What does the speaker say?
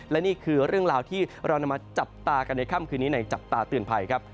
และนี่คือเรื่องราวที่เรานำมาจับตากันในค่ำคืนนี้ในจับตาเตือนภัยครับ